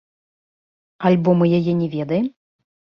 Альбо мы яе не ведаем?